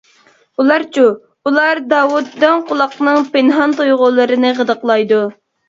ئۇلارچۇ؟ ئۇلار داۋۇت دىڭ قۇلاقنىڭ پىنھان تۇيغۇلىرىنى غىدىقلايدۇ.